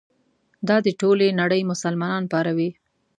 دا د ټولې نړۍ مسلمانان پاروي.